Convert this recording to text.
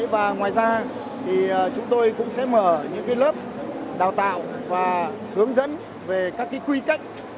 và ngoài ra thì chúng tôi cũng sẽ mở những lớp đào tạo và hướng dẫn về các quy cách